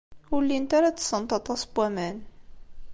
Ur llint ara ttessent aṭas n waman.